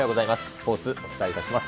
スポーツ、お伝えします。